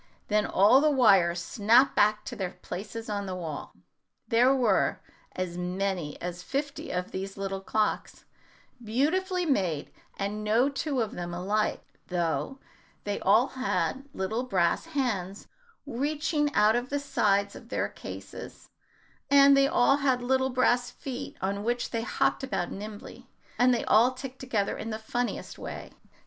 Then all the wires snapped back to their places on the wall. There were as many as fifty of these little clocks, beautifully made, and no two of them alike, though they all had little brass hands reaching out of the sides of their cases, and they all had little brass feet, on which they hopped about nimbly, and they all ticked together in the funniest way.